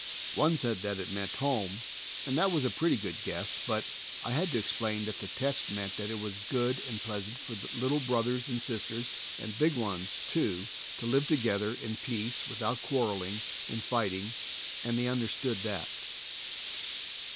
One said that it meant home, and that was a pretty good guess, but I had to explain that the text meant that it was good and pleasant for little brothers and sisters, and big ones, too, to live together in peace, without quar 138 THE soul winner's secret. reling and fighting, and they understood that.